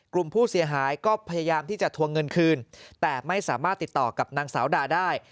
กลุ่มผู้เสียหายก็พยายามที่จะทวงเงินคืนแต่ไม่สามารถติดต่อกับนางสาวดาได้